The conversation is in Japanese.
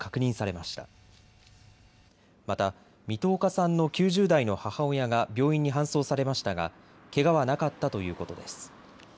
また三十日さんの９０代の母親が病院に搬送されましたがけがはなかったということです。